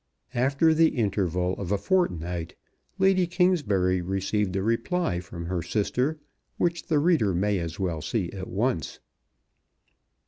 After the interval of a fortnight Lady Kingsbury received a reply from her sister which the reader may as well see at once.